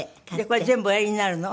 これ全部おやりになるの？